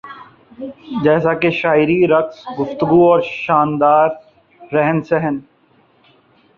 جیسا کہ شاعری رقص گفتگو اور شاندار رہن سہن